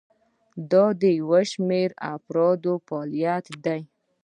دا د یو شمیر افرادو فعالیت دی.